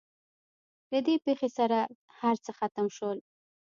له دې پېښې سره هر څه ختم شول.